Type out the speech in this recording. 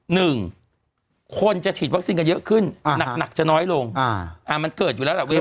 หนึ่งคนจะฉีดวัคซีนกันเยอะขึ้นหนักหนักจะน้อยลงมันเกิดอยู่แล้วล่ะเว้น